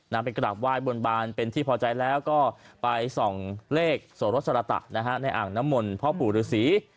นะเป็นกระดาษไหว้บนบานเป็นที่พอใจแล้วก็ไปสองเลขโสโรชระตะนะฮะในอ่างน้ำมลพ่อปู่หรือศรี